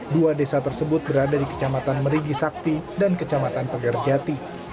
dua desa tersebut berada di kecamatan merigi sakti dan kecamatan pegerjati